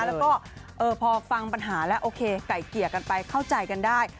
แล้วก็พอฟังปัญหาแล้วโอเคไก่เกลี่ยกันไปเข้าใจกันได้